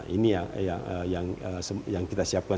ini yang kita siapkan